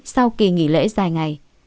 sau kỳ nghỉ lễ dài ngày